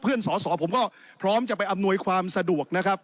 สอสอผมก็พร้อมจะไปอำนวยความสะดวกนะครับ